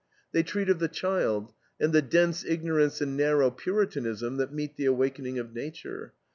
They treat of the child and the dense ignorance and narrow Puritanism that meet the awakening of nature.